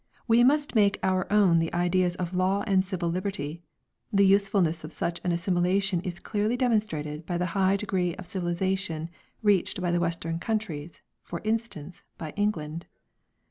We must make our own the ideas of law and civil liberty: the usefulness of such an assimilation is clearly demonstrated by the high degree of civilisation reached by the Western countries, for instance, by England.